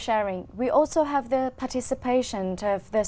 chúng tôi đang đợi